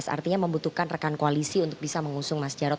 artinya membutuhkan rekan koalisi untuk bisa mengusung mas jarod